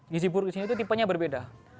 gizi buruk di sini itu tipenya berbeda